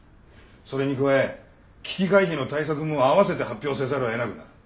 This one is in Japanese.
それに加え危機回避の対策も併せて発表せざるをえなくなる。